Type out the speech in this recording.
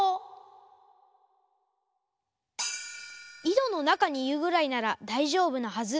いどのなかにいうぐらいならだいじょうぶなはず。